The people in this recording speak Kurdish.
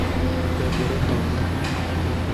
Te biriqand.